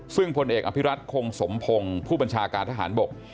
ซึ่งพลเอกอภิรัตคงสมพงศ์ผู้บัญชาการทหารบก